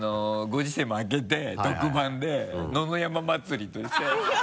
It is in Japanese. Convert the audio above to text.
ご時世も明けて特番で野々山祭りとして。